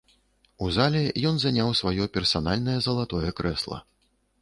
У зале ён заняў сваё персанальнае залатое крэсла.